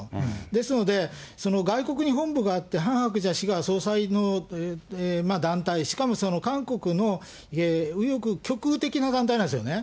ですので、その外国に本部があって、ハン・ハクチャ氏が総裁の団体、しかも韓国の右翼、極右的な団体なんですよね。